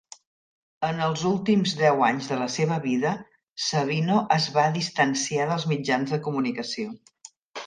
En els últims deu anys de la seva vida, Sabino es va distanciar dels mitjans de comunicació.